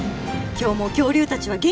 今日も恐竜たちは元気かな？